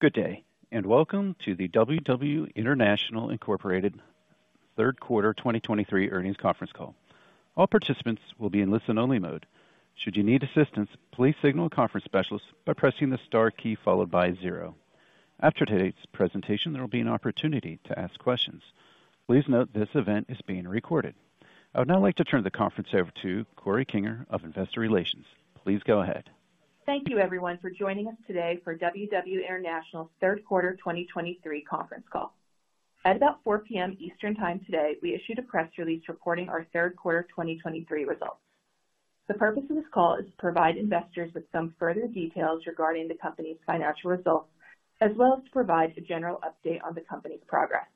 Good day, and welcome to the WW International Incorporated Third Quarter 2023 earnings conference call. All participants will be in listen-only mode. Should you need assistance, please signal a conference specialist by pressing the star key followed by zero. After today's presentation, there will be an opportunity to ask questions. Please note this event is being recorded. I would now like to turn the conference over to Corey Kinger of investor relations. Please go ahead. Thank you, everyone, for joining us today for WW International's third quarter 2023 conference call. At about 4:00 P.M. Eastern Time today, we issued a press release reporting our third quarter 2023 results. The purpose of this call is to provide investors with some further details regarding the company's financial results, as well as to provide a general update on the company's progress.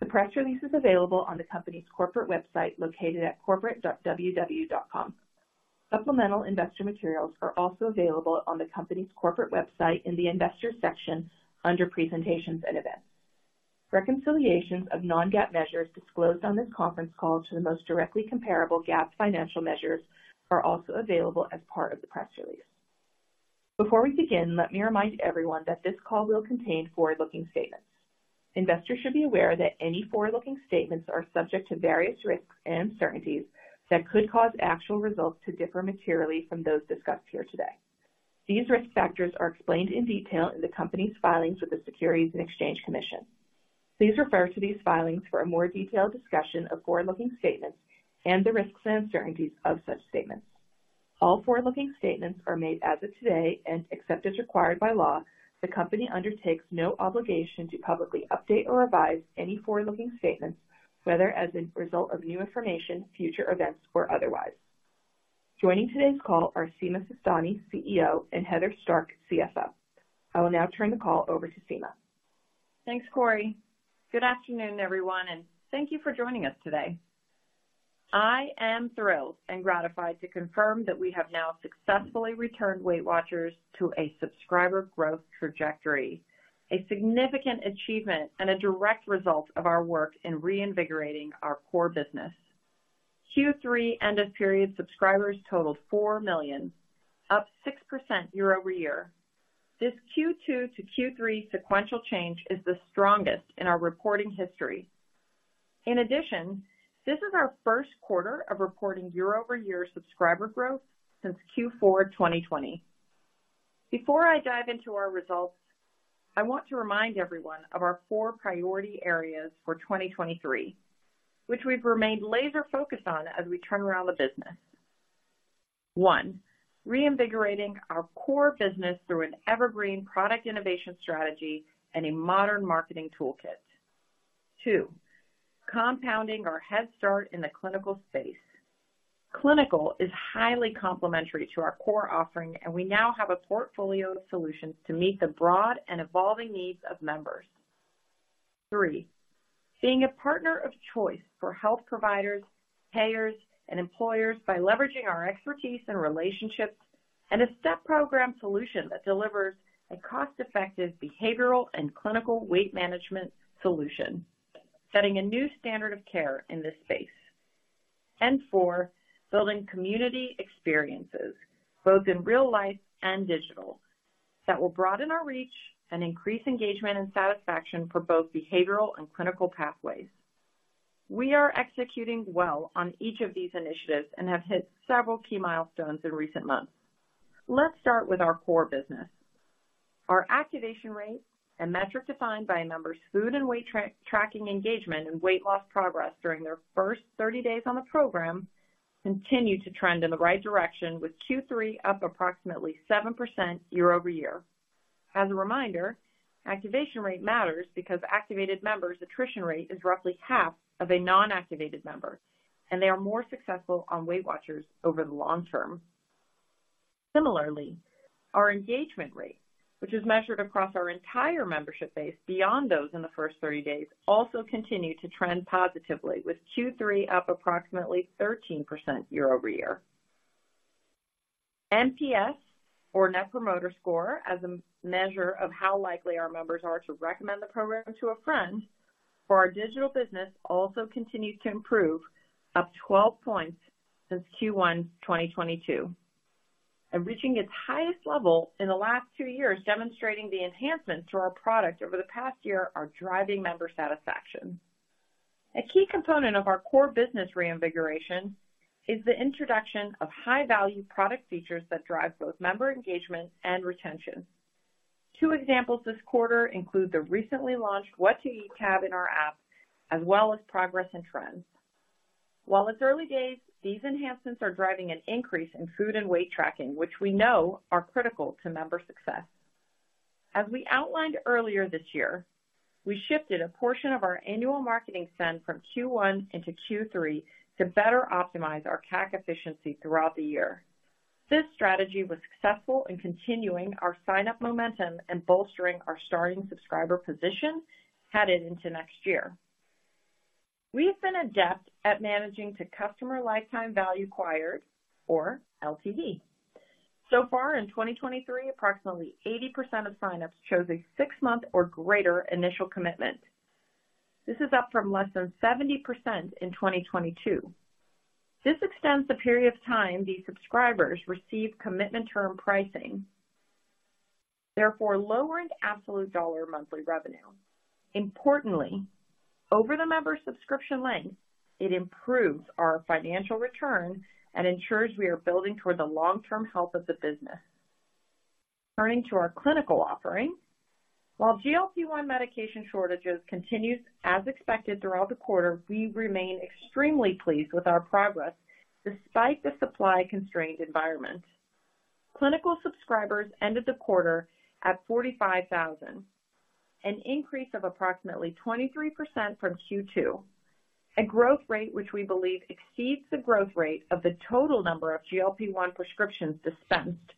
The press release is available on the company's corporate website, located at corporate.ww.com. Supplemental investor materials are also available on the company's corporate website in the Investors section, under Presentations and Events. Reconciliations of non-GAAP measures disclosed on this conference call to the most directly comparable GAAP financial measures are also available as part of the press release. Before we begin, let me remind everyone that this call will contain forward-looking statements. Investors should be aware that any forward-looking statements are subject to various risks and uncertainties that could cause actual results to differ materially from those discussed here today. These risk factors are explained in detail in the company's filings with the Securities and Exchange Commission. Please refer to these filings for a more detailed discussion of forward-looking statements and the risks and uncertainties of such statements. All forward-looking statements are made as of today, and except as required by law, the company undertakes no obligation to publicly update or revise any forward-looking statements, whether as a result of new information, future events, or otherwise. Joining today's call are Sima Sistani, CEO, and Heather Stark, CFO. I will now turn the call over to Sima. Thanks, Corey. Good afternoon, everyone, and thank you for joining us today. I am thrilled and gratified to confirm that we have now successfully returned Weight Watchers to a subscriber growth trajectory, a significant achievement and a direct result of our work in reinvigorating our core business. Q3 end-of-period subscribers totaled 4 million, up 6% year-over-year. This Q2-Q3 sequential change is the strongest in our reporting history. In addition, this is our first quarter of reporting year-over-year subscriber growth since Q4 2020. Before I dive into our results, I want to remind everyone of our four priority areas for 2023, which we've remained laser focused on as we turn around the business. One, reinvigorating our core business through an evergreen product innovation strategy and a modern marketing toolkit. Two, compounding our head start in the clinical space. Clinical is highly complementary to our core offering, and we now have a portfolio of solutions to meet the broad and evolving needs of members. Three, being a partner of choice for health providers, payers, and employers by leveraging our expertise and relationships and a step program solution that delivers a cost-effective behavioral and clinical weight management solution, setting a new standard of care in this space. Four, building community experiences, both in real life and digital, that will broaden our reach and increase engagement and satisfaction for both behavioral and clinical pathways. We are executing well on each of these initiatives and have hit several key milestones in recent months. Let's start with our core business. Our activation rate and metric, defined by a member's food and weight tracking engagement and weight loss progress during their first 30 days on the program, continued to trend in the right direction, with Q3 up approximately 7% year-over-year. As a reminder, activation rate matters because activated members' attrition rate is roughly half of a non-activated member, and they are more successful on Weight Watchers over the long term. Similarly, our engagement rate, which is measured across our entire membership base beyond those in the first 30 days, also continued to trend positively, with Q3 up approximately 13% year-over-year. NPS, or Net Promoter Score, as a measure of how likely our members are to recommend the program to a friend, for our digital business, also continued to improve, up 12 points since Q1 2022 and reaching its highest level in the last two years, demonstrating the enhancements to our product over the past year are driving member satisfaction. A key component of our core business reinvigoration is the introduction of high-value product features that drive both member engagement and retention. Two examples this quarter include the recently launched What to Eat tab in our app, as well as progress and trends. While it's early days, these enhancements are driving an increase in food and weight tracking, which we know are critical to member success. As we outlined earlier this year, we shifted a portion of our annual marketing spend from Q1 into Q3 to better optimize our CAC efficiency throughout the year. This strategy was successful in continuing our sign-up momentum and bolstering our starting subscriber position headed into next year. We have been adept at managing to customer lifetime value acquired, or LTV. So far in 2023, approximately 80% of sign-ups chose a six-month or greater initial commitment.... This is up from less than 70% in 2022. This extends the period of time these subscribers receive commitment term pricing, therefore lowering absolute dollar monthly revenue. Importantly, over the member subscription length, it improves our financial return and ensures we are building toward the long-term health of the business. Turning to our clinical offering. While GLP-1 medication shortages continues as expected throughout the quarter, we remain extremely pleased with our progress despite the supply-constrained environment. Clinical subscribers ended the quarter at 45,000, an increase of approximately 23% from Q2, a growth rate which we believe exceeds the growth rate of the total number of GLP-1 prescriptions dispensed,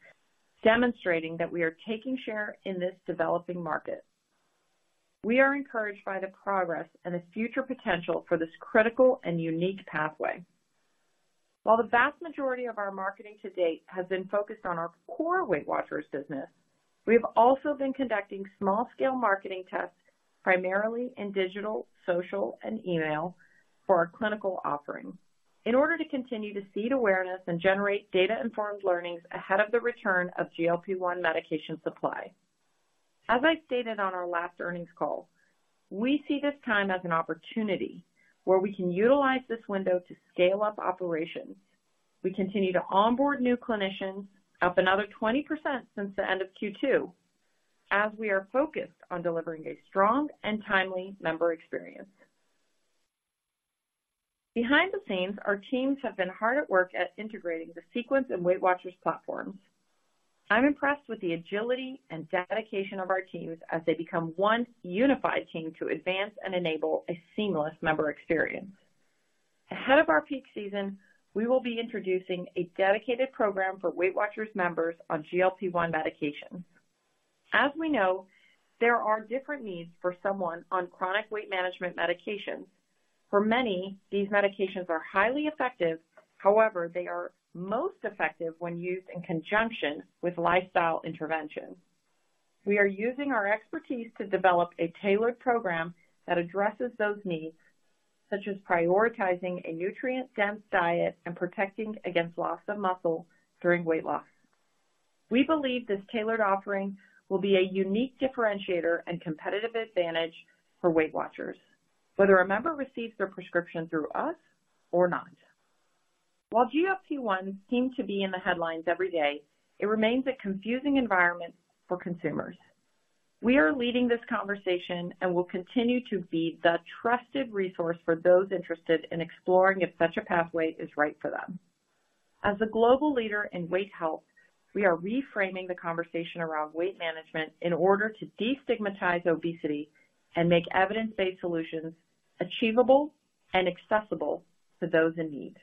demonstrating that we are taking share in this developing market. We are encouraged by the progress and the future potential for this critical and unique pathway. While the vast majority of our marketing to date has been focused on our core Weight Watchers business, we have also been conducting small-scale marketing tests, primarily in digital, social, and email for our clinical offering, in order to continue to seed awareness and generate data-informed learnings ahead of the return of GLP-1 medication supply. As I stated on our last earnings call, we see this time as an opportunity where we can utilize this window to scale up operations. We continue to onboard new clinicians, up another 20% since the end of Q2, as we are focused on delivering a strong and timely member experience. Behind the scenes, our teams have been hard at work at integrating the Sequence and Weight Watchers platforms. I'm impressed with the agility and dedication of our teams as they become one unified team to advance and enable a seamless member experience. Ahead of our peak season, we will be introducing a dedicated program for Weight Watchers members on GLP-1 medications. As we know, there are different needs for someone on chronic weight management medications. For many, these medications are highly effective. However, they are most effective when used in conjunction with lifestyle interventions. We are using our expertise to develop a tailored program that addresses those needs, such as prioritizing a nutrient-dense diet and protecting against loss of muscle during weight loss. We believe this tailored offering will be a unique differentiator and competitive advantage for Weight Watchers, whether a member receives their prescription through us or not. While GLP-1 seem to be in the headlines every day, it remains a confusing environment for consumers. We are leading this conversation and will continue to be the trusted resource for those interested in exploring if such a pathway is right for them. As a global leader in weight health, we are reframing the conversation around weight management in order to destigmatize obesity and make evidence-based solutions achievable and accessible to those in need.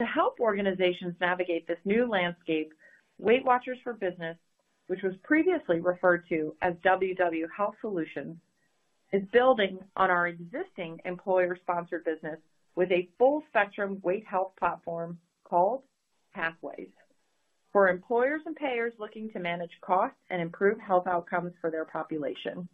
To help organizations navigate this new landscape, Weight Watchers for Business, which was previously referred to as WW Health Solutions, is building on our existing employer-sponsored business with a full-spectrum weight health platform called Pathways, for employers and payers looking to manage costs and improve health outcomes for their population.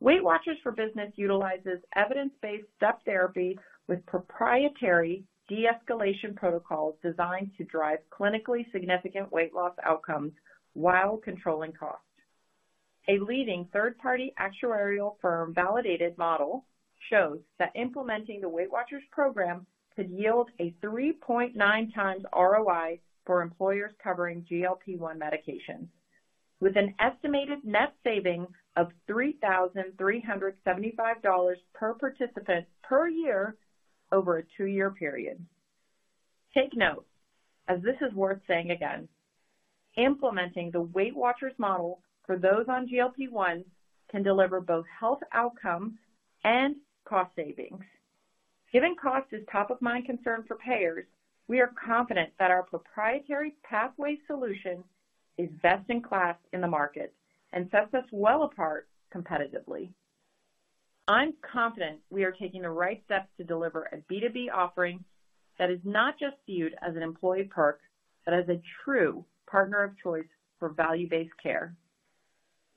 Weight Watchers for Business utilizes evidence-based step therapy with proprietary de-escalation protocols designed to drive clinically significant weight loss outcomes while controlling cost. A leading third-party actuarial firm-validated model shows that implementing the Weight Watchers program could yield a 3.9x ROI for employers covering GLP-1 medications, with an estimated net saving of $3,375 per participant per year over a two-year period. Take note, as this is worth saying again, implementing the Weight Watchers model for those on GLP-1 can deliver both health outcomes and cost savings. Given cost is top-of-mind concern for payers, we are confident that our proprietary Pathways solution is best in class in the market and sets us well apart competitively. I'm confident we are taking the right steps to deliver a B2B offering that is not just viewed as an employee perk, but as a true partner of choice for value-based care.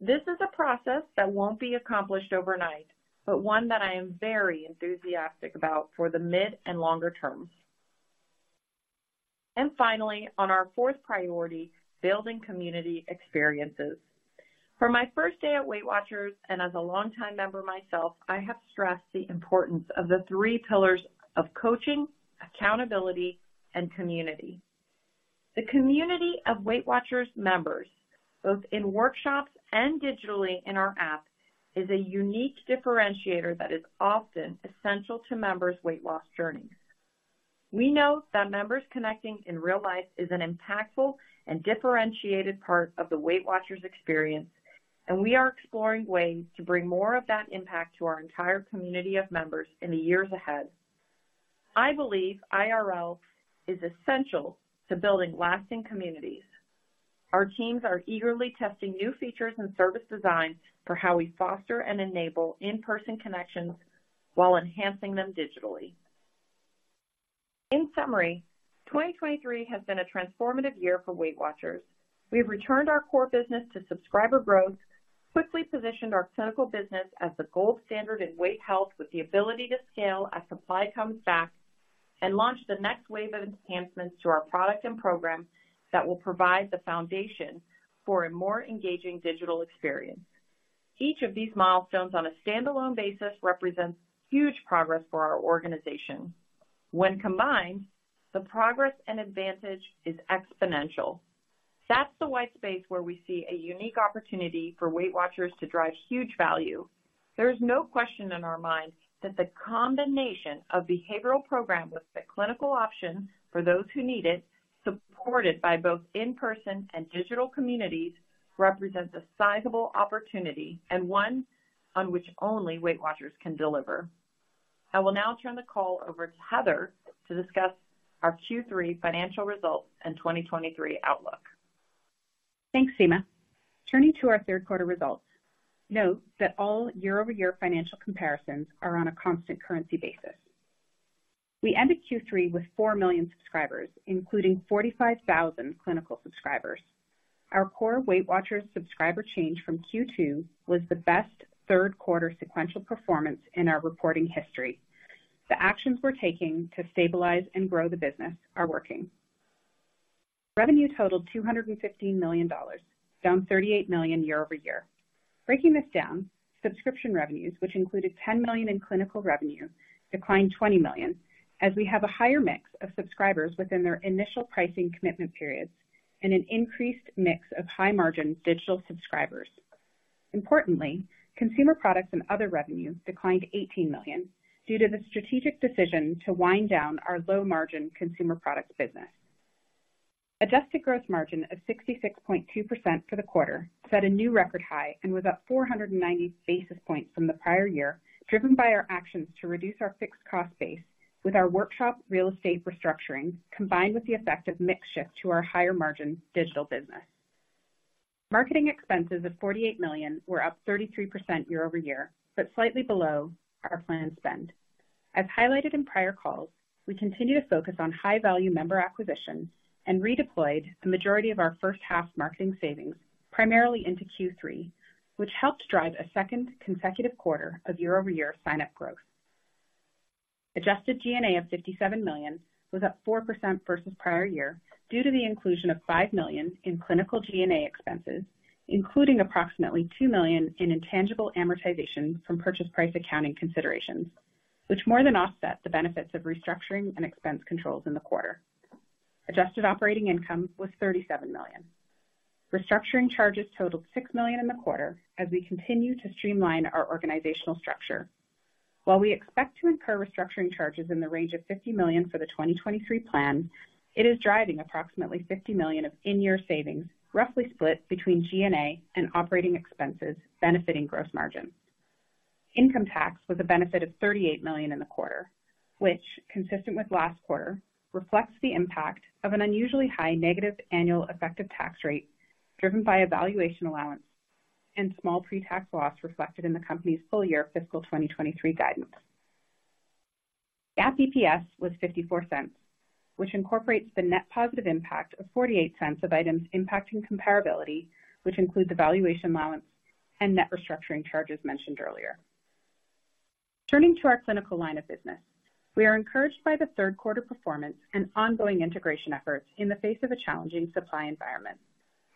This is a process that won't be accomplished overnight, but one that I am very enthusiastic about for the mid and longer term. And finally, on our fourth priority, building community experiences. From my first day at Weight Watchers, and as a longtime member myself, I have stressed the importance of the three pillars of coaching, accountability, and community. The community of Weight Watchers members, both in workshops and digitally in our app, is a unique differentiator that is often essential to members' weight loss journeys. We know that members connecting in real life is an impactful and differentiated part of the Weight Watchers experience, and we are exploring ways to bring more of that impact to our entire community of members in the years ahead. I believe IRL is essential to building lasting communities. Our teams are eagerly testing new features and service designs for how we foster and enable in-person connections while enhancing them digitally. In summary, 2023 has been a transformative year for Weight Watchers. We have returned our core business to subscriber growth, quickly positioned our clinical business as the gold standard in weight health, with the ability to scale as supply comes back, and launched the next wave of enhancements to our product and program that will provide the foundation for a more engaging digital experience. Each of these milestones on a standalone basis represents huge progress for our organization. When combined, the progress and advantage is exponential. That's the white space where we see a unique opportunity for Weight Watchers to drive huge value. There is no question in our minds that the combination of behavioral program with the clinical option for those who need it, supported by both in-person and digital communities, represents a sizable opportunity and one on which only Weight Watchers can deliver. I will now turn the call over to Heather to discuss our Q3 financial results and 2023 outlook. Thanks, Sima. Turning to our third quarter results, note that all year-over-year financial comparisons are on a constant currency basis. We ended Q3 with 4 million subscribers, including 45,000 clinical subscribers. Our core Weight Watchers subscriber change from Q2 was the best third quarter sequential performance in our reporting history. The actions we're taking to stabilize and grow the business are working. Revenue totaled $215 million, down $38 million year-over-year. Breaking this down, subscription revenues, which included $10 million in clinical revenue, declined $20 million, as we have a higher mix of subscribers within their initial pricing commitment periods and an increased mix of high-margin digital subscribers. Importantly, consumer products and other revenues declined $18 million due to the strategic decision to wind down our low-margin consumer products business. Adjusted gross margin of 66.2% for the quarter set a new record high and was up 490 basis points from the prior year, driven by our actions to reduce our fixed cost base with our workshop real estate restructuring, combined with the effect of mix shift to our higher margin digital business. Marketing expenses of $48 million were up 33% year-over-year, but slightly below our planned spend. As highlighted in prior calls, we continue to focus on high-value member acquisition and redeployed the majority of our first half marketing savings, primarily into Q3, which helped drive a second consecutive quarter of year-over-year sign-up growth. Adjusted G&A of $57 million was up 4% versus prior year, due to the inclusion of $5 million in clinical G&A expenses, including approximately $2 million in intangible amortization from purchase price accounting considerations, which more than offset the benefits of restructuring and expense controls in the quarter. Adjusted operating income was $37 million. Restructuring charges totaled $6 million in the quarter as we continue to streamline our organizational structure. While we expect to incur restructuring charges in the range of $50 million for the 2023 plan, it is driving approximately $50 million of in-year savings, roughly split between G&A and operating expenses, benefiting gross margin. Income tax was a benefit of $38 million in the quarter, which, consistent with last quarter, reflects the impact of an unusually high negative annual effective tax rate, driven by a valuation allowance and small pre-tax loss reflected in the company's full year fiscal 2023 guidance. GAAP EPS was $0.54, which incorporates the net positive impact of $0.48 of items impacting comparability, which includes the valuation allowance and net restructuring charges mentioned earlier. Turning to our clinical line of business, we are encouraged by the third quarter performance and ongoing integration efforts in the face of a challenging supply environment.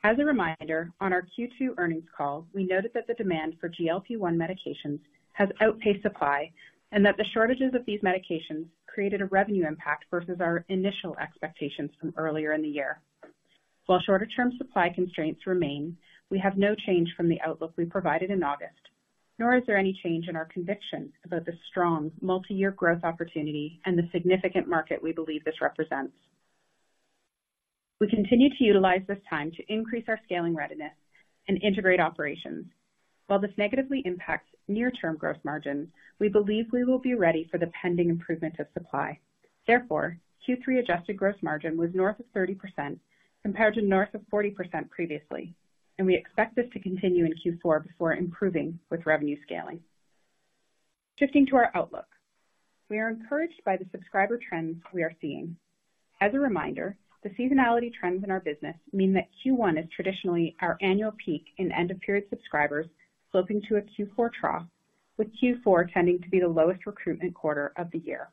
As a reminder, on our Q2 earnings call, we noted that the demand for GLP-1 medications has outpaced supply and that the shortages of these medications created a revenue impact versus our initial expectations from earlier in the year. While shorter-term supply constraints remain, we have no change from the outlook we provided in August, nor is there any change in our conviction about the strong multi-year growth opportunity and the significant market we believe this represents. We continue to utilize this time to increase our scaling readiness and integrate operations. While this negatively impacts near-term gross margins, we believe we will be ready for the pending improvement of supply. Therefore, Q3 adjusted gross margin was north of 30%, compared to north of 40% previously, and we expect this to continue in Q4 before improving with revenue scaling. Shifting to our outlook, we are encouraged by the subscriber trends we are seeing. As a reminder, the seasonality trends in our business mean that Q1 is traditionally our annual peak in end-of-period subscribers, sloping to a Q4 trough, with Q4 tending to be the lowest recruitment quarter of the year.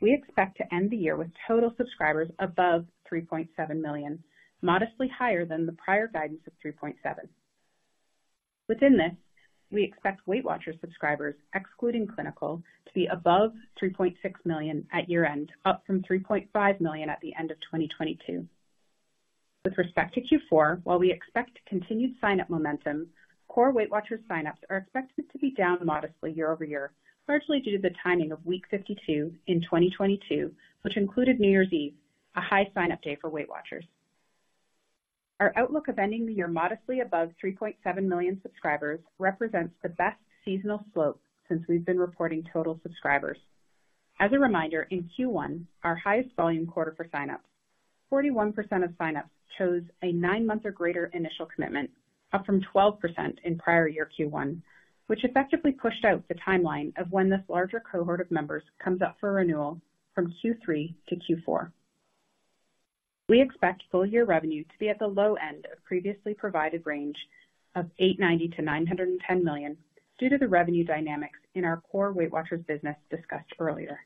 We expect to end the year with total subscribers above 3.7 million, modestly higher than the prior guidance of 3.7. Within this, we expect Weight Watchers subscribers, excluding clinical, to be above 3.6 million at year-end, up from 3.5 million at the end of 2022. With respect to Q4, while we expect continued sign-up momentum, core Weight Watchers sign-ups are expected to be down modestly year-over-year, largely due to the timing of week 52 in 2022, which included New Year's Eve, a high sign-up day for Weight Watchers. Our outlook of ending the year modestly above 3.7 million subscribers represents the best seasonal slope since we've been reporting total subscribers. As a reminder, in Q1, our highest volume quarter for sign-ups, 41% of signups chose a nine-month or greater initial commitment, up from 12% in prior year Q1, which effectively pushed out the timeline of when this larger cohort of members comes up for renewal from Q3-Q4. We expect full year revenue to be at the low end of previously provided range of $890 million-$910 million, due to the revenue dynamics in our core Weight Watchers business discussed earlier.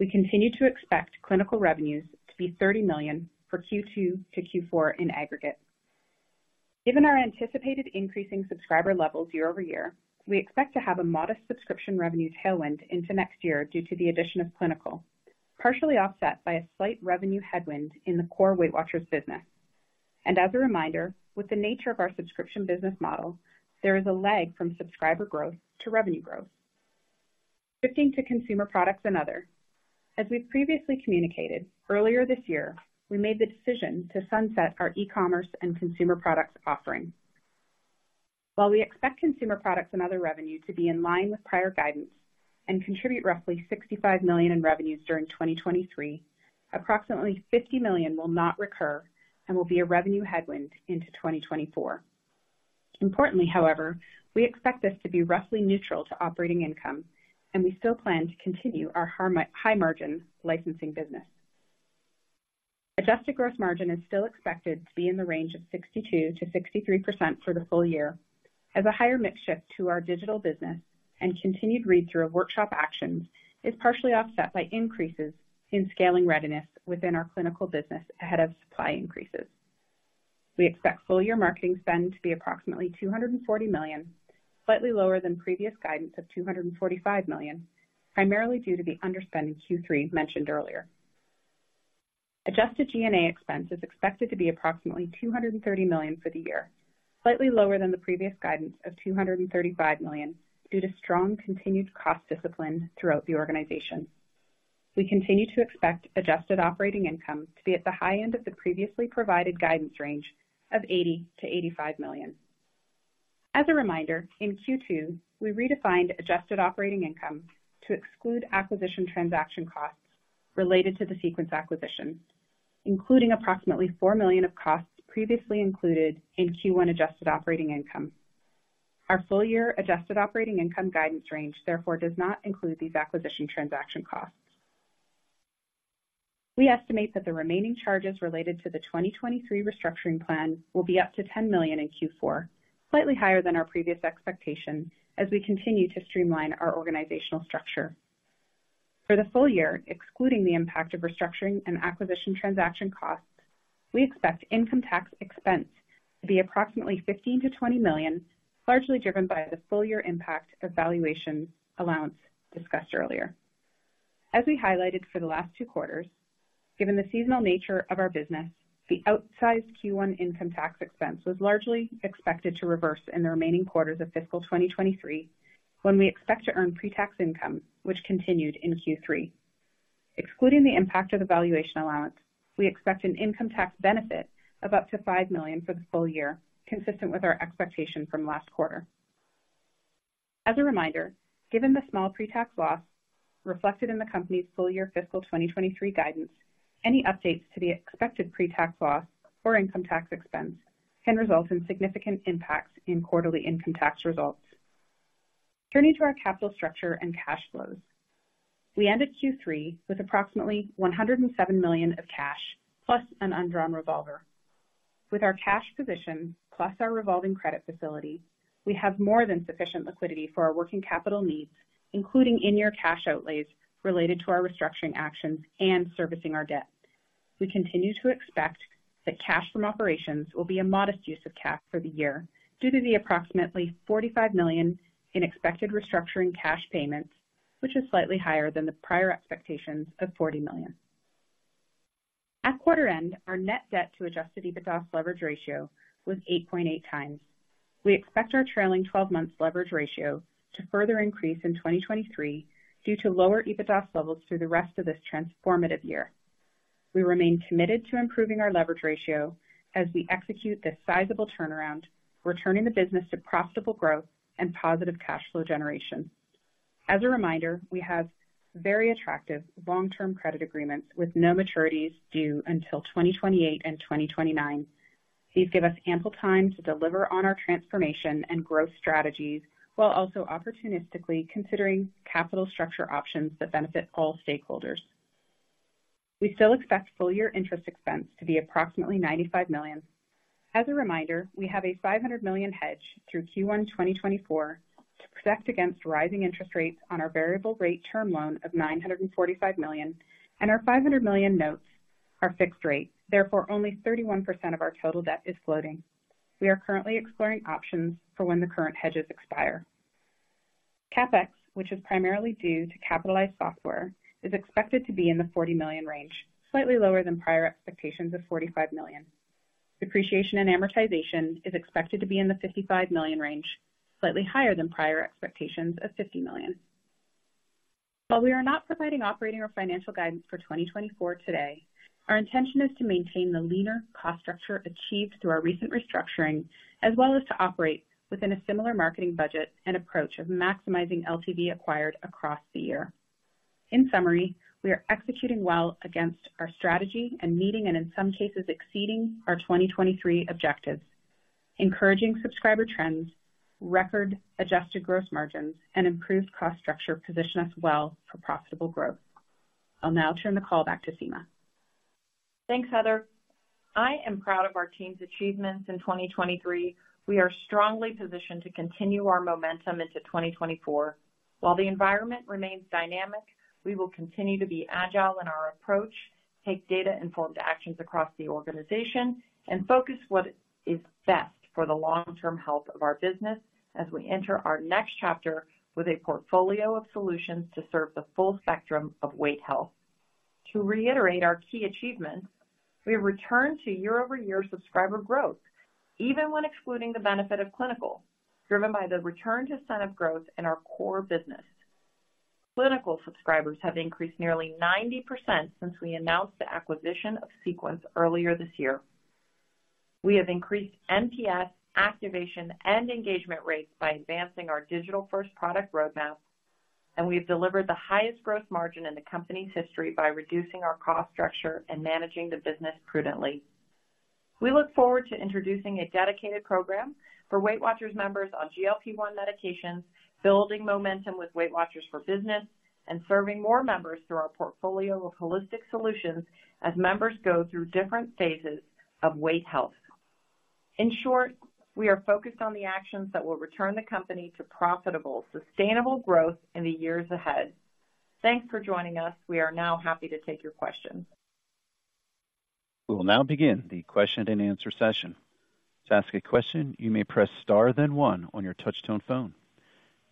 We continue to expect clinical revenues to be $30 million for Q2-Q4 in aggregate. Given our anticipated increasing subscriber levels year over year, we expect to have a modest subscription revenue tailwind into next year due to the addition of clinical, partially offset by a slight revenue headwind in the core Weight Watchers business. As a reminder, with the nature of our subscription business model, there is a lag from subscriber growth to revenue growth. Shifting to consumer products and other. As we've previously communicated, earlier this year, we made the decision to sunset our e-commerce and consumer products offering. While we expect consumer products and other revenue to be in line with prior guidance and contribute roughly $65 million in revenues during 2023, approximately $50 million will not recur and will be a revenue headwind into 2024. Importantly, however, we expect this to be roughly neutral to operating income, and we still plan to continue our pharma-high-margin licensing business. Adjusted gross margin is still expected to be in the range of 62%-63% for the full year, as a higher mix shift to our digital business and continued read-through of workshop actions is partially offset by increases in scaling readiness within our clinical business ahead of supply increases. We expect full year marketing spend to be approximately $240 million, slightly lower than previous guidance of $245 million, primarily due to the underspend in Q3 mentioned earlier. Adjusted G&A expense is expected to be approximately $230 million for the year, slightly lower than the previous guidance of $235 million, due to strong continued cost discipline throughout the organization. We continue to expect adjusted operating income to be at the high end of the previously provided guidance range of $80 million-$85 million. As a reminder, in Q2, we redefined adjusted operating income to exclude acquisition transaction costs related to the Sequence acquisition, including approximately $4 million of costs previously included in Q1 adjusted operating income. Our full year adjusted operating income guidance range, therefore, does not include these acquisition transaction costs. We estimate that the remaining charges related to the 2023 restructuring plan will be up to $10 million in Q4, slightly higher than our previous expectations, as we continue to streamline our organizational structure. For the full year, excluding the impact of restructuring and acquisition transaction costs, we expect income tax expense to be approximately $15 million-$20 million, largely driven by the full year impact of valuation allowance discussed earlier. As we highlighted for the last two quarters, given the seasonal nature of our business, the outsized Q1 income tax expense was largely expected to reverse in the remaining quarters of fiscal 2023, when we expect to earn pre-tax income, which continued in Q3. Excluding the impact of the valuation allowance, we expect an income tax benefit of up to $5 million for the full year, consistent with our expectation from last quarter. As a reminder, given the small pre-tax loss reflected in the company's full year fiscal 2023 guidance, any updates to the expected pre-tax loss or income tax expense can result in significant impacts in quarterly income tax results. Turning to our capital structure and cash flows. We ended Q3 with approximately $107 million of cash, plus an undrawn revolver. With our cash position, plus our revolving credit facility, we have more than sufficient liquidity for our working capital needs, including in-year cash outlays related to our restructuring actions and servicing our debt. We continue to expect that cash from operations will be a modest use of cash for the year, due to the approximately $45 million in expected restructuring cash payments, which is slightly higher than the prior expectations of $40 million. At quarter end, our net debt to adjusted EBITDA leverage ratio was 8.8x. We expect our trailing 12 months leverage ratio to further increase in 2023 due to lower EBITDA levels through the rest of this transformative year. We remain committed to improving our leverage ratio as we execute this sizable turnaround, returning the business to profitable growth and positive cash flow generation. As a reminder, we have very attractive long-term credit agreements with no maturities due until 2028 and 2029. These give us ample time to deliver on our transformation and growth strategies, while also opportunistically considering capital structure options that benefit all stakeholders. We still expect full year interest expense to be approximately $95 million. As a reminder, we have a $500 million hedge through Q1 2024 to protect against rising interest rates on our variable rate term loan of $945 million, and our $500 million notes are fixed rate. Therefore, only 31% of our total debt is floating. We are currently exploring options for when the current hedges expire. CapEx, which is primarily due to capitalized software, is expected to be in the $40 million range, slightly lower than prior expectations of $45 million. Depreciation and amortization is expected to be in the $55 million range, slightly higher than prior expectations of $50 million. While we are not providing operating or financial guidance for 2024 today, our intention is to maintain the leaner cost structure achieved through our recent restructuring, as well as to operate within a similar marketing budget and approach of maximizing LTV acquired across the year.... In summary, we are executing well against our strategy and meeting, and in some cases, exceeding our 2023 objectives. Encouraging subscriber trends, record adjusted gross margins, and improved cost structure position us well for profitable growth. I'll now turn the call back to Sima. Thanks, Heather. I am proud of our team's achievements in 2023. We are strongly positioned to continue our momentum into 2024. While the environment remains dynamic, we will continue to be agile in our approach, take data-informed actions across the organization, and focus what is best for the long-term health of our business as we enter our next chapter with a portfolio of solutions to serve the full spectrum of weight health. To reiterate our key achievements, we have returned to year-over-year subscriber growth, even when excluding the benefit of clinical, driven by the return to sign-up growth in our core business. Clinical subscribers have increased nearly 90% since we announced the acquisition of Sequence earlier this year. We have increased NPS, activation, and engagement rates by advancing our digital-first product roadmap, and we have delivered the highest growth margin in the company's history by reducing our cost structure and managing the business prudently. We look forward to introducing a dedicated program for Weight Watchers members on GLP-1 medications, building momentum with Weight Watchers for Business, and serving more members through our portfolio of holistic solutions as members go through different phases of weight health. In short, we are focused on the actions that will return the company to profitable, sustainable growth in the years ahead. Thanks for joining us. We are now happy to take your questions. We will now begin the question-and-answer session. To ask a question, you may press star, then one on your touchtone phone.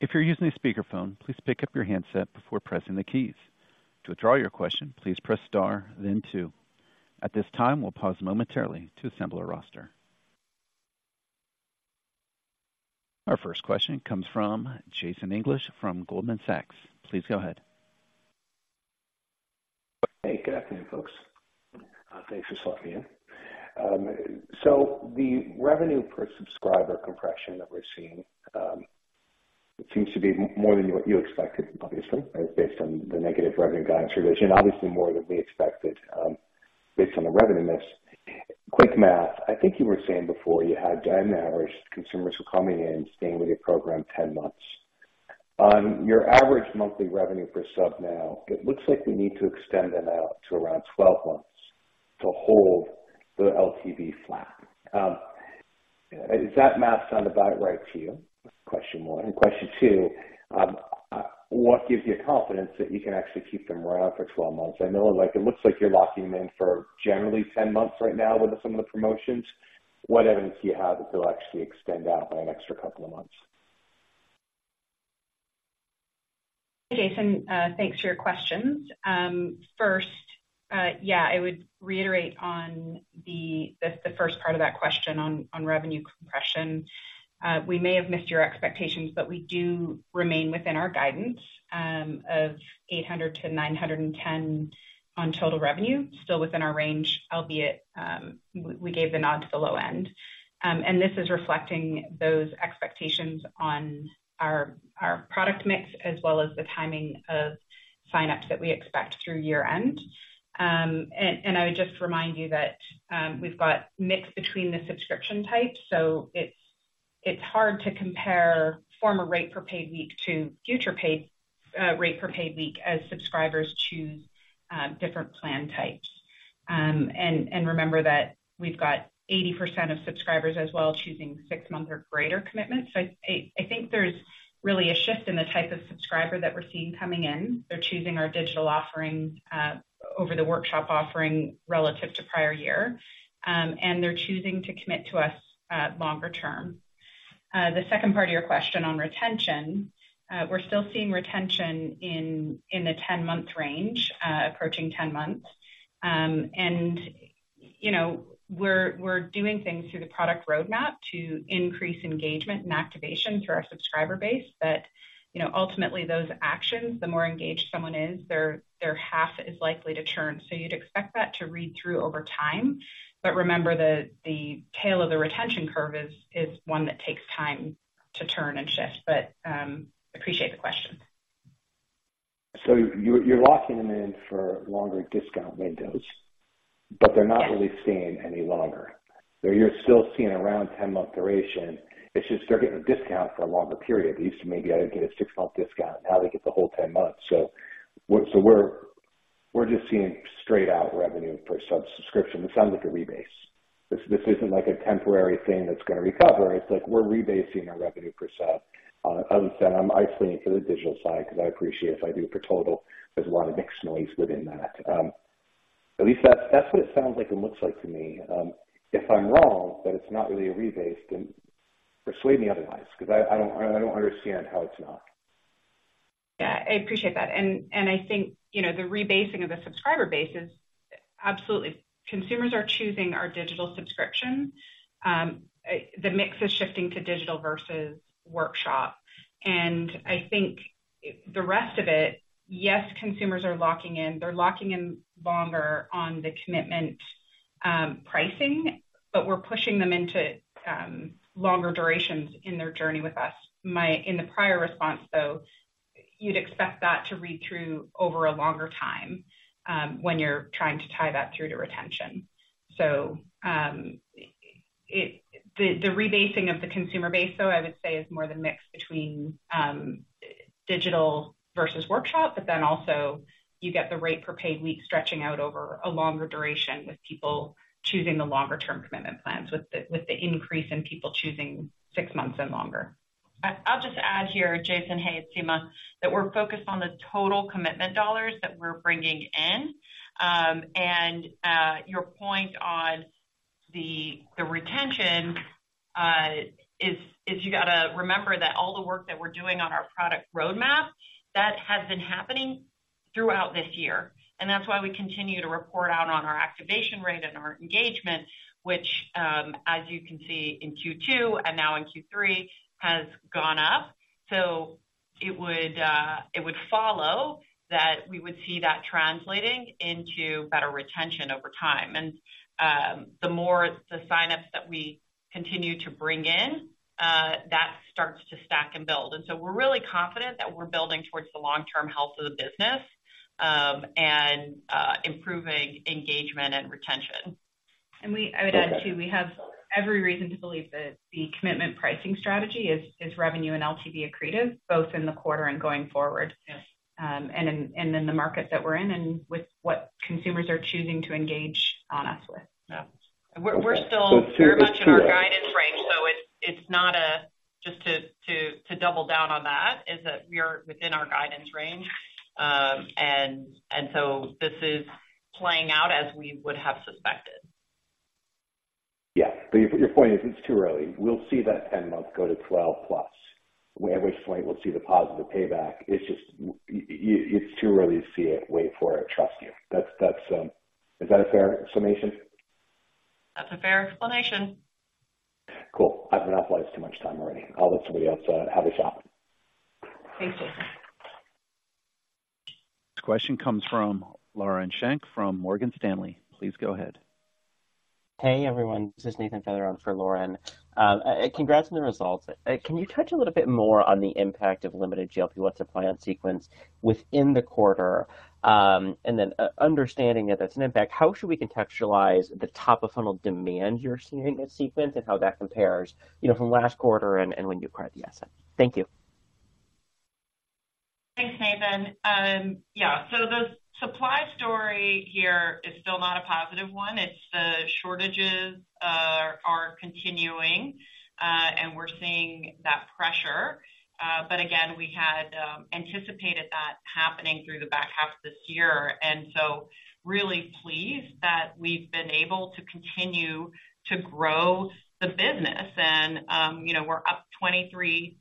If you're using a speakerphone, please pick up your handset before pressing the keys. To withdraw your question, please press star then two. At this time, we'll pause momentarily to assemble a roster. Our first question comes from Jason English from Goldman Sachs. Please go ahead. Hey, good afternoon, folks. Thanks for letting me in. So the revenue per subscriber compression that we're seeing seems to be more than what you expected, obviously, based on the negative revenue guidance revision, obviously more than we expected, based on the revenue miss. Quick math, I think you were saying before, you had 10 average consumers who are coming in and staying with your program 10 months. On your average monthly revenue per sub now, it looks like we need to extend them out to around 12 months to hold the LTV flat. Does that math sound about right to you? Question one. Question two, what gives you confidence that you can actually keep them around for 12 months? I know, like, it looks like you're locking them in for generally 10 months right now with some of the promotions. What evidence do you have that they'll actually extend out by an extra couple of months? Jason, thanks for your questions. First, yeah, I would reiterate on the first part of that question on revenue compression. We may have missed your expectations, but we do remain within our guidance of $800-$910 on total revenue, still within our range, albeit we gave the nod to the low end. This is reflecting those expectations on our product mix, as well as the timing of sign-ups that we expect through year-end. I would just remind you that we've got mix between the subscription types, so it's hard to compare former rate per paid week to future paid rate per paid week as subscribers choose different plan types. And remember that we've got 80% of subscribers as well, choosing six-month or greater commitment. So I think there's really a shift in the type of subscriber that we're seeing coming in. They're choosing our digital offerings over the workshop offering relative to prior year, and they're choosing to commit to us longer term. The second part of your question on retention, we're still seeing retention in the 10-month range, approaching 10 months. And you know, we're doing things through the product roadmap to increase engagement and activation through our subscriber base. But you know, ultimately, those actions, the more engaged someone is, their half is likely to churn. So you'd expect that to read through over time. But remember, the tail of the retention curve is one that takes time to turn and shift. But, appreciate the question. So you're, you're locking them in for longer discount windows, but they're not really staying any longer. So you're still seeing around 10-month duration. It's just they're getting a discount for a longer period. They used to maybe only get a six-month discount, now they get the whole 10 months. So we're, we're just seeing straight-out revenue per sub subscription. This sounds like a rebase. This, this isn't like a temporary thing that's going to recover. It's like we're rebasing our revenue per sub. As I said, I'm isolating for the digital side because I appreciate if I do it for total, there's a lot of mix noise within that. At least that's, that's what it sounds like it looks like to me. If I'm wrong, that it's not really a rebase, then persuade me otherwise, because I, I don't, I don't understand how it's not. Yeah, I appreciate that. And, and I think, you know, the rebasing of the subscriber base is absolutely... Consumers are choosing our digital subscription. The mix is shifting to digital versus workshop. And I think the rest of it, yes, consumers are locking in. They're locking in longer on the commitment-... pricing, but we're pushing them into longer durations in their journey with us. In the prior response, though, you'd expect that to read through over a longer time, when you're trying to tie that through to retention. So, the rebasing of the consumer base, though, I would say, is more the mix between digital versus workshop, but then also you get the rate per paid week stretching out over a longer duration, with people choosing the longer term commitment plans, with the increase in people choosing six months and longer. I'll just add here, Jason, hey, it's Sima. That we're focused on the total commitment dollars that we're bringing in. And your point on the retention, you got to remember that all the work that we're doing on our product roadmap, that has been happening throughout this year, and that's why we continue to report out on our activation rate and our engagement, which, as you can see in Q2 and now in Q3, has gone up. So it would follow that we would see that translating into better retention over time. And the more the sign-ups that we continue to bring in, that starts to stack and build. And so we're really confident that we're building towards the long-term health of the business, and improving engagement and retention. And we, I would add, too, we have every reason to believe that the commitment pricing strategy is revenue and LTV accretive, both in the quarter and going forward. Yes. In the markets that we're in and with what consumers are choosing to engage on us with. Yeah. We're still very much in our guidance range, so it's not a... Just to double down on that, is that we're within our guidance range. And so this is playing out as we would have suspected. Yeah, but your point is, it's too early. We'll see that 10-month go to 12+. At which point we'll see the positive payback. It's just, it's too early to see it. Wait for it. I trust you. That's, is that a fair summation? That's a fair explanation. Cool. I've monopolized too much time already. I'll let somebody else have a shot. Thanks, Jason. This question comes from Lauren Schenk from Morgan Stanley. Please go ahead. Hey, everyone, this is Nathan Feather for Lauren. Congrats on the results. Can you touch a little bit more on the impact of limited GLP-1 supply on Sequence within the quarter? And then, understanding that that's an impact, how should we contextualize the top-of-funnel demand you're seeing at Sequence and how that compares, you know, from last quarter and, and when you acquired the asset? Thank you. Thanks, Nathan. Yeah, so the supply story here is still not a positive one. It's the shortages are continuing, and we're seeing that pressure. But again, we had anticipated that happening through the back half of this year, and so really pleased that we've been able to continue to grow the business. And, you know, we're up 23%,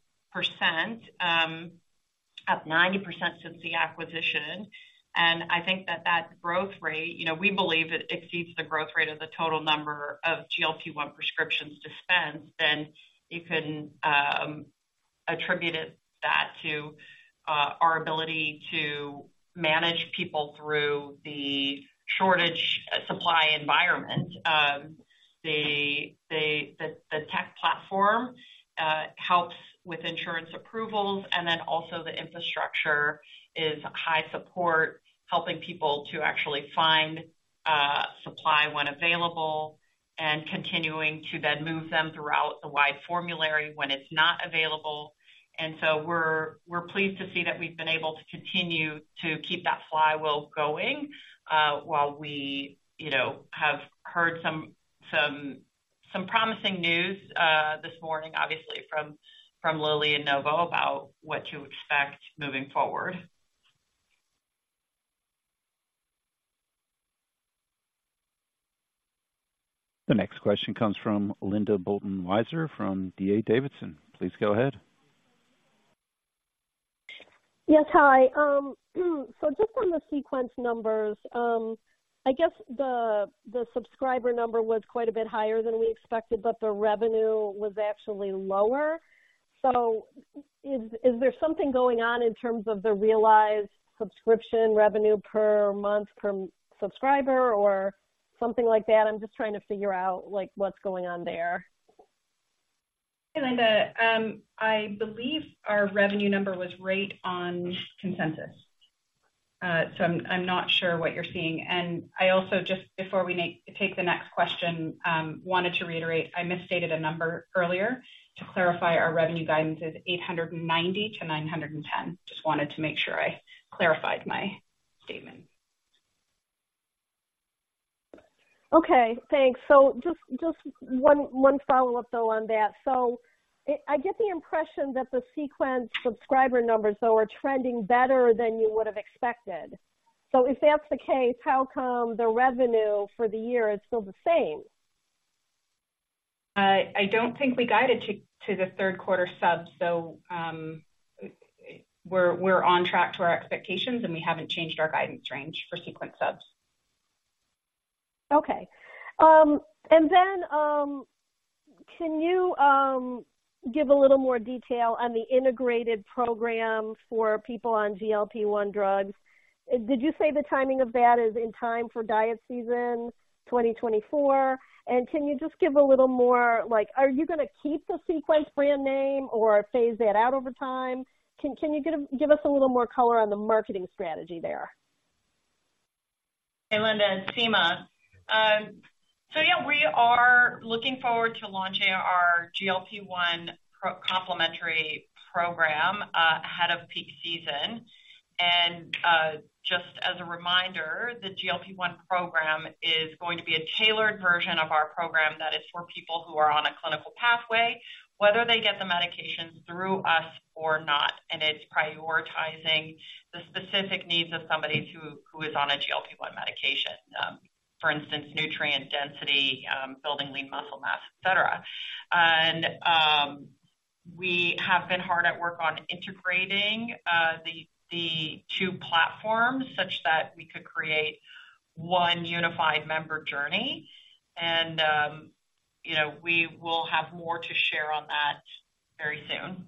up 90% since the acquisition. And I think that that growth rate, you know, we believe it exceeds the growth rate of the total number of GLP-1 prescriptions dispensed, and you can attribute that to our ability to manage people through the shortage supply environment. The tech platform helps with insurance approvals, and then also the infrastructure is high support, helping people to actually find supply when available, and continuing to then move them throughout the wide formulary when it's not available. And so we're pleased to see that we've been able to continue to keep that flywheel going, while we, you know, have heard some promising news this morning, obviously from Lilly and Novo, about what to expect moving forward. The next question comes from Linda Bolton Weiser, from D.A. Davidson. Please go ahead. Yes, hi. So just on the Sequence numbers, I guess the subscriber number was quite a bit higher than we expected, but the revenue was actually lower. So is there something going on in terms of the realized subscription revenue per month, per subscriber or something like that? I'm just trying to figure out, like, what's going on there. Hey, Linda. I believe our revenue number was right on consensus. So I'm not sure what you're seeing. I also, just before we take the next question, wanted to reiterate, I misstated a number earlier. To clarify, our revenue guidance is $890-$910. Just wanted to make sure I clarified my statement. Okay, thanks. So just one follow-up, though, on that. So I get the impression that the Sequence subscriber numbers, though, are trending better than you would have expected. So if that's the case, how come the revenue for the year is still the same? I don't think we guided to the third quarter subs, so we're on track to our expectations, and we haven't changed our guidance range for Sequence subs. Okay. And then,... give a little more detail on the integrated program for people on GLP-1 drugs. Did you say the timing of that is in time for diet season 2024? And can you just give a little more, like, are you going to keep the Sequence brand name or phase that out over time? Can you give us a little more color on the marketing strategy there? Hey, Linda, it's Sima. So yeah, we are looking forward to launching our GLP-1 pro-complementary program ahead of peak season. Just as a reminder, the GLP-1 program is going to be a tailored version of our program that is for people who are on a clinical pathway, whether they get the medication through us or not, and it's prioritizing the specific needs of somebody who is on a GLP-1 medication. For instance, nutrient density, building lean muscle mass, et cetera. We have been hard at work on integrating the two platforms such that we could create one unified member journey. You know, we will have more to share on that very soon.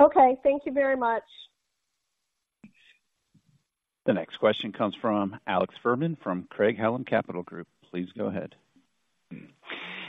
Okay. Thank you very much. The next question comes from Alex Fuhrman from Craig-Hallum Capital Group. Please go ahead.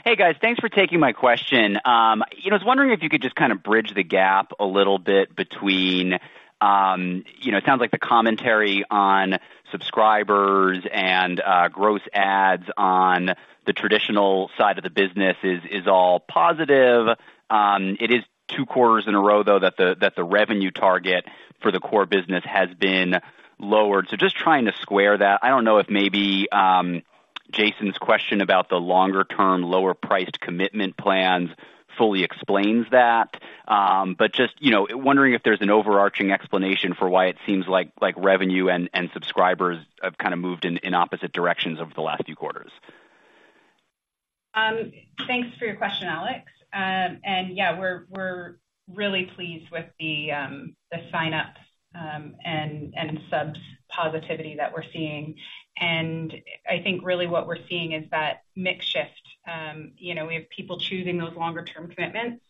Hey, guys. Thanks for taking my question. You know, I was wondering if you could just kind of bridge the gap a little bit between, you know, it sounds like the commentary on subscribers and, gross adds on the traditional side of the business is all positive. It is two quarters in a row, though, that the revenue target for the core business has been lowered. So just trying to square that. I don't know if maybe, Jason's question about the longer-term, lower-priced commitment plans fully explains that. But just, you know, wondering if there's an overarching explanation for why it seems like revenue and subscribers have kind of moved in opposite directions over the last few quarters. Thanks for your question, Alex. And yeah, we're really pleased with the sign-ups and subs positivity that we're seeing. And I think really what we're seeing is that mix shift. You know, we have people choosing those longer-term commitments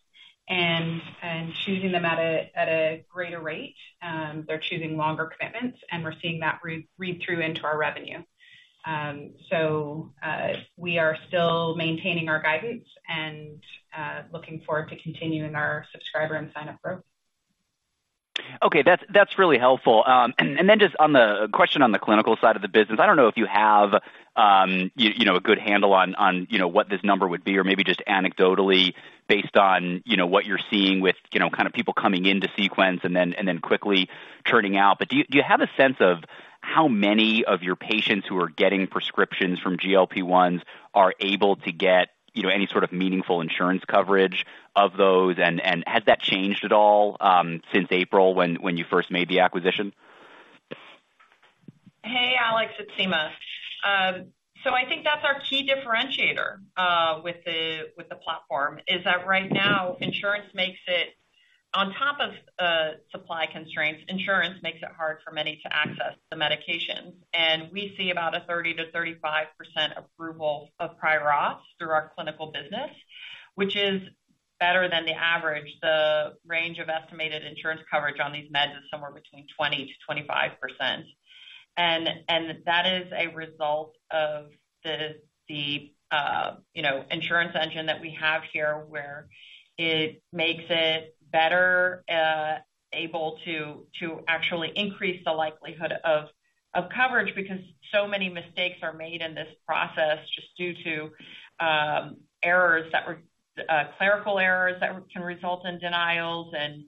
and choosing them at a greater rate. They're choosing longer commitments, and we're seeing that read-through into our revenue. So, we are still maintaining our guidance and looking forward to continuing our subscriber and sign-up growth. Okay, that's really helpful. And then just on the question on the clinical side of the business, I don't know if you have, you know, a good handle on, you know, what this number would be or maybe just anecdotally based on, you know, what you're seeing with, you know, kind of people coming into Sequence and then quickly churning out. But do you have a sense of how many of your patients who are getting prescriptions from GLP-1s are able to get, you know, any sort of meaningful insurance coverage of those? And has that changed at all, since April, when you first made the acquisition? Hey, Alex, it's Sima. So I think that's our key differentiator with the platform, is that right now, insurance makes it—on top of supply constraints, insurance makes it hard for many to access the medications. And we see about a 30%-35% approval of prior auth through our clinical business, which is better than the average. The range of estimated insurance coverage on these meds is somewhere between 20%-25%. And that is a result of the insurance engine that we have here, where it makes it better able to actually increase the likelihood of coverage because so many mistakes are made in this process just due to errors that re... Clerical errors that can result in denials and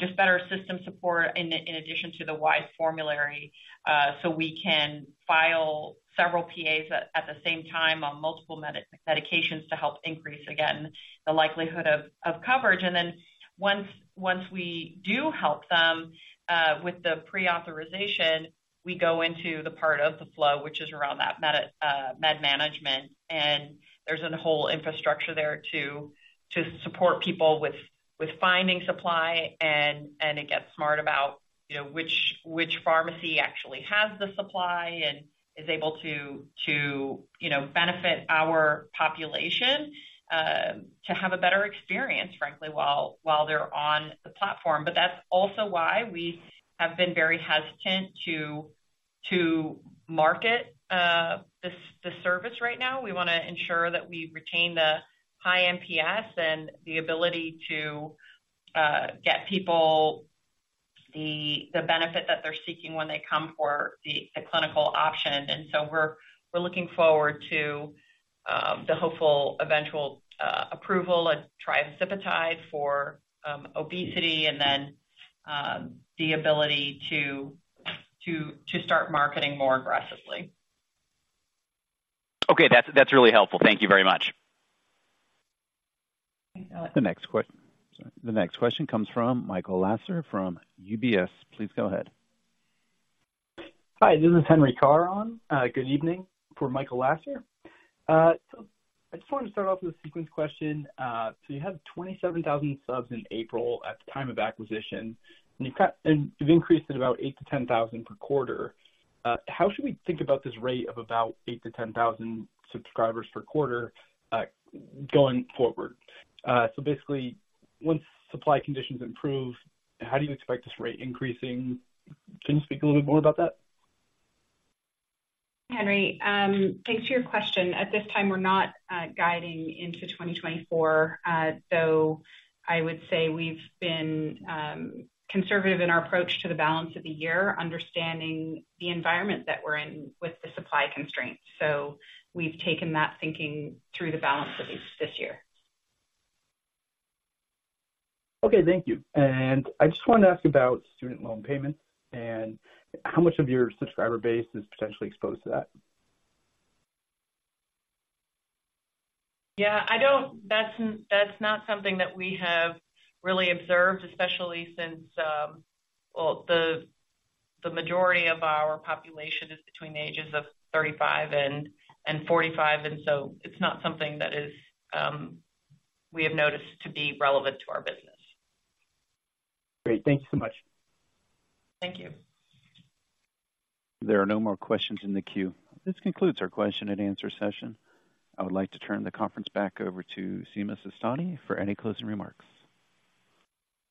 just better system support in addition to the wise formulary. So we can file several PAs at the same time on multiple medications to help increase, again, the likelihood of coverage. And then once we do help them with the pre-authorization, we go into the part of the flow, which is around that med management, and there's a whole infrastructure there to support people with finding supply, and it gets smart about, you know, which pharmacy actually has the supply and is able to, you know, benefit our population to have a better experience, frankly, while they're on the platform. But that's also why we have been very hesitant to market this, the service right now. We want to ensure that we retain the high NPS and the ability to get people the benefit that they're seeking when they come for the clinical option. And so we're looking forward to the hopeful eventual approval of tirzepatide for obesity and then the ability to start marketing more aggressively. Okay, that's, that's really helpful. Thank you very much. Sorry. The next question comes from Michael Lasser from UBS. Please go ahead. Hi, this is Henry Carr. Good evening. For Michael Lasser. So I just wanted to start off with a Sequence question. So you had 27,000 subs in April at the time of acquisition, and you've got... and you've increased it about 8,000-10,000 per quarter. How should we think about this rate of about 8,000-10,000 subscribers per quarter, going forward? So basically-... Once supply conditions improve, how do you expect this rate increasing? Can you speak a little bit more about that? Henry, thanks for your question. At this time, we're not guiding into 2024. So I would say we've been conservative in our approach to the balance of the year, understanding the environment that we're in with the supply constraints. So we've taken that thinking through the balance of this year. Okay, thank you. I just wanted to ask about student loan payments, and how much of your subscriber base is potentially exposed to that? Yeah, I don't. That's not something that we have really observed, especially since, well, the majority of our population is between the ages of 35 and 45, and so it's not something that we have noticed to be relevant to our business. Great. Thank you so much. Thank you. There are no more questions in the queue. This concludes our question and answer session. I would like to turn the conference back over to Sima Sistani for any closing remarks.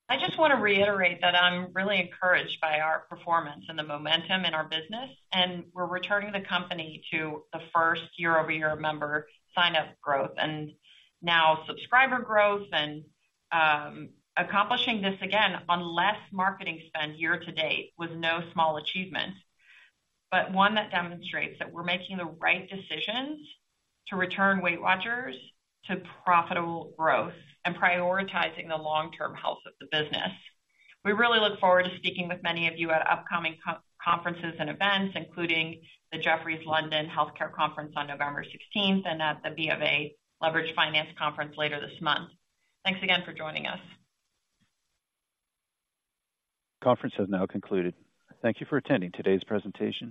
I just want to reiterate that I'm really encouraged by our performance and the momentum in our business, and we're returning the company to the first year-over-year member sign-up growth, and now subscriber growth and, accomplishing this again on less marketing spend year to date with no small achievement, but one that demonstrates that we're making the right decisions to return Weight Watchers to profitable growth and prioritizing the long-term health of the business. We really look forward to speaking with many of you at upcoming conferences and events, including the Jefferies London Healthcare Conference on November 16th and at the BofA Leveraged Finance Conference later this month. Thanks again for joining us. Conference has now concluded. Thank you for attending today's presentation.